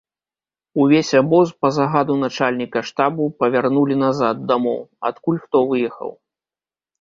Увесь абоз, па загаду начальніка штабу, павярнулі назад, дамоў, адкуль хто выехаў.